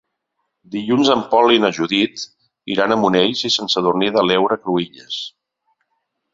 Dilluns en Pol i na Judit iran a Monells i Sant Sadurní de l'Heura Cruïlles.